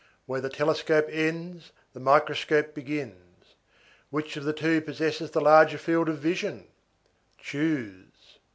Where the telescope ends, the microscope begins. Which of the two possesses the larger field of vision? Choose.